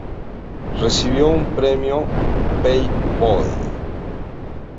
Recibió un Premio Peabody.